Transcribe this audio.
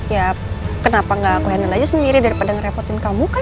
ya kenapa gak aku handle aja sendiri daripada ngerepotin kamu kan